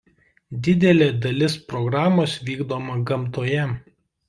Didelė dalis programos vykdoma gamtoje.